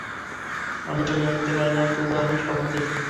আমি চোখে দেখতে পাই না, তবুও আমি স্বপ্ন দেখি।